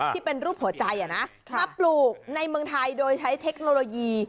ที่เป็นรูปหัวใจมาปลูกในเมืองไทยโดยใช้เทคโนโลยี